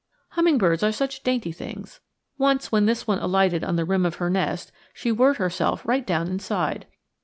Hummingbirds are such dainty things. Once when this one alighted on the rim of her nest she whirred herself right down inside.